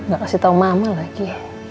gak kasih tau mama lagi